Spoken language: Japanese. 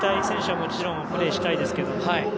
選手はもちろんプレーしたいですけど。